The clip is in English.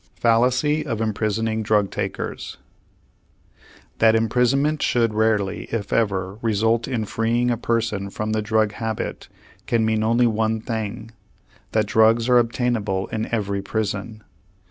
FALLACY OF IMPRISONING DRUG TAKERS That imprisonment should rarely, if ever, result in freeing a person from the drug habit can mean only one thing: that drugs are obtainable in every prison.